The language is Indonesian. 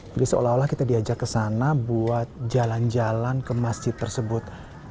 jadi seolah olah kita diajak ke sana buat jalan jalan ke masjid tersebut